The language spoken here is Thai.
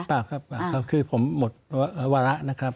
เปล่าครับคือผมหมดวาระนะครับ